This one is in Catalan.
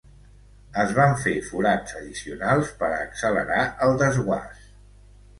Es van fer forats addicionals per a accelerar el desguàs.